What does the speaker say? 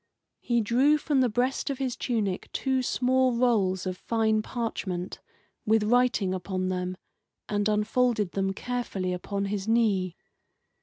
He drew from the breast of his tunic two small rolls of fine parchment, with writing upon them, and unfolded them carefully upon his knee.